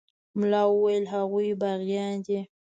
ملا وويل هغوى باغيان دي.